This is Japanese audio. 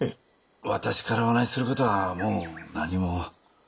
私からお話しする事はもう何も。